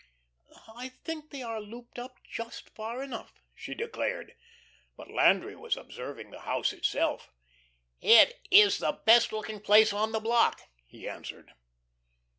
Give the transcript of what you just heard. "I think they are looped up just far enough," she declared. But Landry was observing the house itself. "It is the best looking place on the block," he answered.